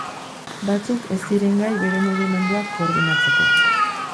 Batzuk ez ziren gai bere mugimenduak koordinatzeko.